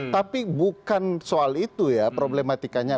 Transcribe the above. tapi bukan soal itu ya problematikanya